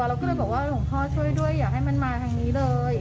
เราก็เลยบอกว่าหลวงพ่อช่วยด้วยอย่าให้มันมาทางนี้เลย